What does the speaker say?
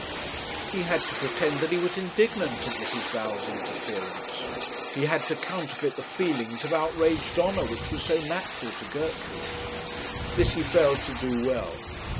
He had to pretend that he was indignant at Mrs. Val's interference; he had to counterfeit the feelings of outraged honour, which was so natural to Gertrude. This he failed to do well.